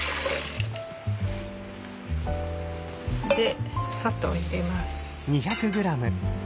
で砂糖入れます。